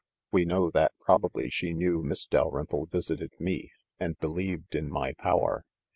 We know that probably she knew Miss Dalrymple visited me, and believed in my power.